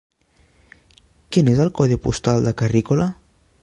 Quin és el codi postal de Carrícola?